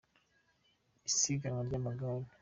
Isiganwa ry’amagare